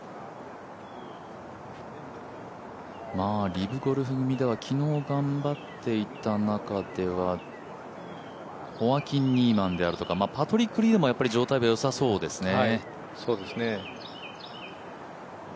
リブゴルフ組では昨日頑張っていた中ではホアキン・ニーマンとかパトリック・リードも状態がよさそうですね。